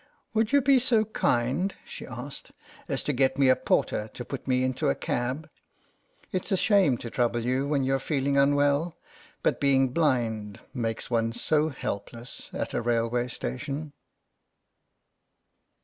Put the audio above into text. " Would you be so kind," she asked, " as to get me a porter to put me into a cab? It's a shame to trouble you when youVe feeling unwell, but being blind makes one so helpless at a railway station."